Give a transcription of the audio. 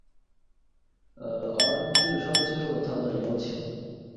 倪柝声接受了他的邀请。